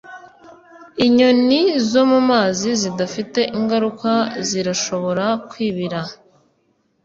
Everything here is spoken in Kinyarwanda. Inyoni zo mu mazi zidafite ingaruka zirashobora kwibira